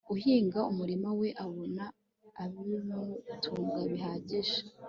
uhinga umurima we abona ibimutunga bihagije